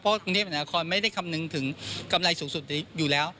เพราะว่าพื้นที่แผ่นละครไม่ได้คำนึงถึงกำไรสูงสุดอยู่แล้ว